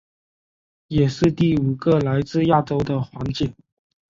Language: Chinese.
也是第五个来自亚洲的环姐。